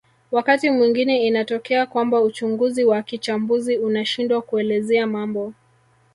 Wakati mwingine inatokea kwamba uchunguzi wa kichambuzi unashindwa kuelezea mambo